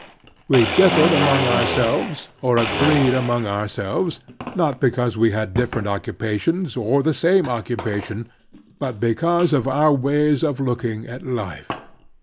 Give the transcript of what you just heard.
We differed among ourselves, or agreed among ourselves, not because we had different occupations or the same occupation, but because of our ways of looking at A Political Factor n life.